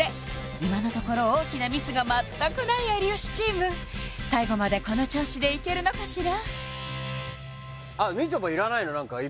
今のところ大きなミスがまったくない有吉チーム最後までこの調子でいけるのかしら？